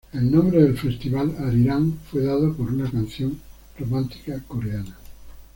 El nombre del festival, "Arirang", fue dado por una canción romántica coreana.